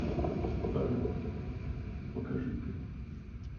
Пожалуйста, покажите.